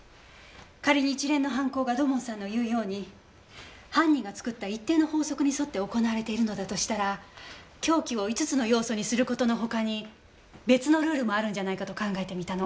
仮に一連の犯行が土門さんの言うように犯人が作った一定の法則に沿って行われているのだとしたら凶器を５つの要素にする事の他に別のルールもあるんじゃないかと考えてみたの。